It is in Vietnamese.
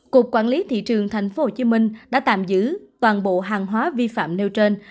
cục quản lý thị trường tp hcm đã tạm giữ toàn bộ hàng hóa vi phạm nêu trên